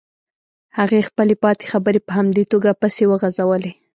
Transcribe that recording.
هغې خپلې پاتې خبرې په همدې توګه پسې وغزولې.